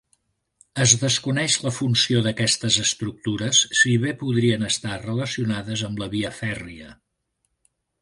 Es desconeix la funció d'aquestes estructures si ve podrien estar relacionades amb la via fèrria.